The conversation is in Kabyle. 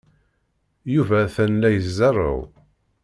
Yuba atan la izerrew.